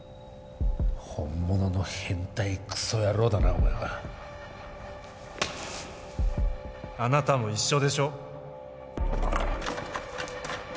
本物の変態クソ野郎だなお前はあなたも一緒でしょ